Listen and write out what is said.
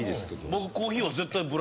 僕。